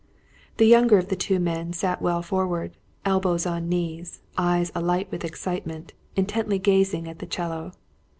The younger of the two men sat well forward, elbows on knees, eyes alight with excitement, intently gazing at the 'cello.